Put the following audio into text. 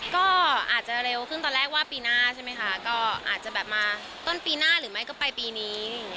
ก็อาจจะเร็วขึ้นตอนแรกว่าปีหน้าใช่ไหมคะก็อาจจะแบบมาต้นปีหน้าหรือไม่ก็ไปปีนี้